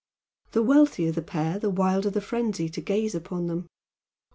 The wealthier the pair the wilder the frenzy to gaze upon them.